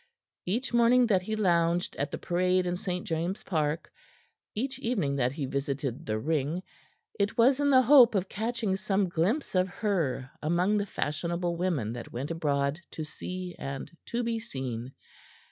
Each morning that he lounged at the parade in St. James's Park, each evening that he visited the Ring, it was in the hope of catching some glimpse of her among the fashionable women that went abroad to see and to be seen.